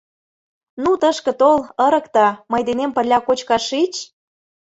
— Ну тышке тол, ырыкте, мый денем пырля кочкаш шич!